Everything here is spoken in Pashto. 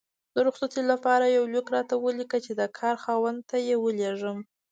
د رخصتي لپاره یو لیک راته ولیکه چې د کار خاوند ته یې ولیږم